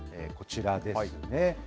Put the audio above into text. こちらですね。